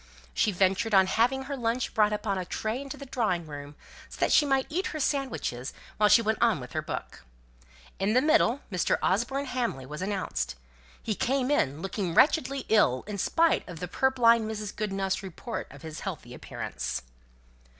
She ventured on having her lunch brought upon a tray into the drawing room, so that she might eat her sandwiches while she went on with her book. In the middle, Mr. Osborne Hamley was announced. He came in, looking wretchedly ill in spite of purblind Mrs. Goodenough's report of his healthy appearance.